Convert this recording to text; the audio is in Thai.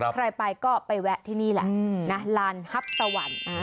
ใครไปก็ไปแวะที่นี่แหละนะลานฮับตะวัน